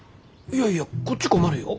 いやいやこっち困るよ。